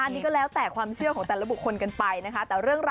อ่านี่ก็แล้วแต่ความเชื่อของแต่ละบุคคลกันไปนะคะแต่เรื่องร้าน